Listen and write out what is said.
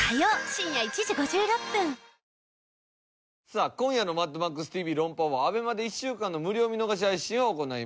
さあ今夜の『マッドマックスＴＶ論破王』はＡＢＥＭＡで１週間の無料見逃し配信を行います。